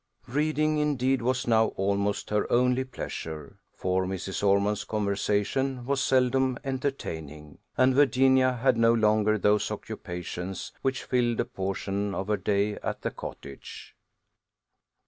Reading, indeed, was now almost her only pleasure; for Mrs. Ormond's conversation was seldom entertaining, and Virginia had no longer those occupations which filled a portion of her day at the cottage.